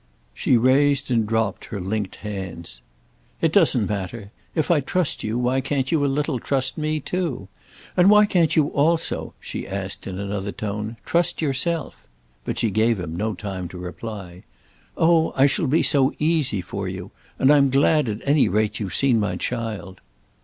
She raised and dropped her linked hands. "It doesn't matter. If I trust you why can't you a little trust me too? And why can't you also," she asked in another tone, "trust yourself?" But she gave him no time to reply. "Oh I shall be so easy for you! And I'm glad at any rate you've seen my child."